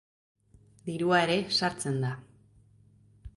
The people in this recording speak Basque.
Dirua ere sartzen da.